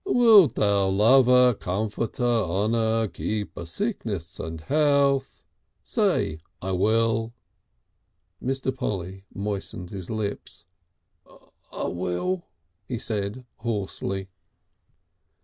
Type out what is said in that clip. "Wiltou lover, cumfer, oner, keeper sickness and health..." "Say 'I will.'" Mr. Polly moistened his lips. "I will," he said hoarsely.